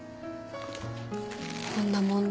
こんな問題